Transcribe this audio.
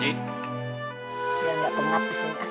jangan kemati semangat